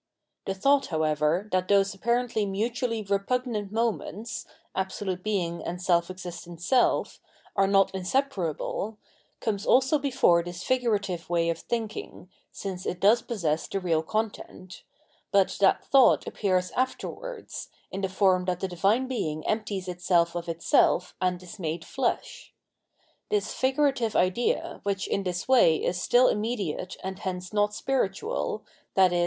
The thought, however, that those apparently mutually repugnant moments, absolute Being and self existent Self, are not inseparable, comes also before this figurative way of thinking (since it does possess the real content), but that thought appears afterwards, in the form that the Divine Being empties ItseM of Itseh and is made flesh. This figurative idea, which in this way is stiU immediate and hence not spiritual, i.e.